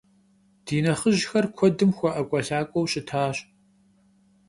Ди нэхъыжьхэр куэдым хуэӏэкӏуэлъакӏуэу щытащ.